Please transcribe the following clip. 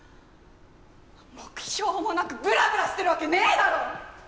目標もなくブラブラしてるわけねえだろ！